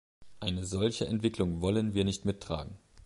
Eine solche Entwicklung wollen wir nicht mittragen.